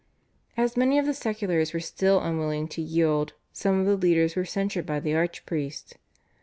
As many of the seculars were still unwilling to yield some of the leaders were censured by the archpriest.